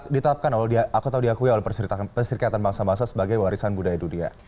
ditatapkan oleh aku tahu diakui oleh persyrikatan bangsa bangsa sebagai warisan budaya dunia